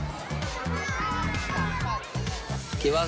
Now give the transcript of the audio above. รู้สึกตลาดข้างล่ะครับ